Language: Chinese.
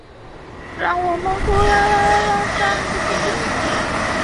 多明戈斯索阿里斯上校镇是巴西巴拉那州的一个市镇。